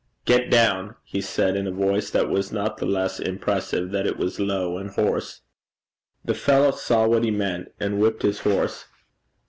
'Get down!' he said, in a voice that was not the less impressive that it was low and hoarse. The fellow saw what he meant, and whipped his horse.